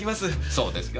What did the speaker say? そうですか？